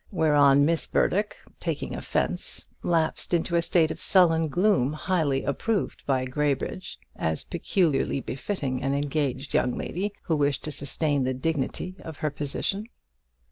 whereon Miss Burdock, taking offence, lapsed into a state of sullen gloom highly approved by Graybridge as peculiarly befitting an engaged, young lady who wished to sustain the dignity of her position.